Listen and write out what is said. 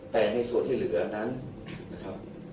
แต่ในส่วนที่เหลือนั้นนะครับ